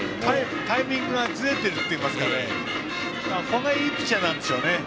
タイミングがずれているといいますかいいピッチャーなんですよね。